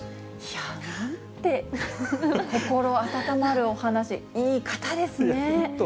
いや、なんて心温まるお話、いい方ですね。